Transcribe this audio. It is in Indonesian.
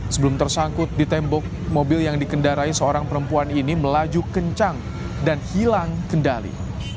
sebelum tersangkut di tembok mobil yang dikendarai seorang perempuan ini melaju kencang dan hilang kendali